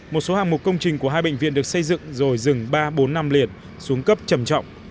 một số hạng mục công trình của hai bệnh viện được xây dựng rồi dừng ba bốn năm liền xuống cấp trầm trọng